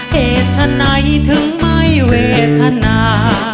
เหตุฉะไหนถึงไม่เวทนา